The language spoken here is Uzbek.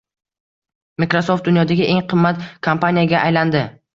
Microsoft dunyodagi eng qimmat kompaniyaga aylandi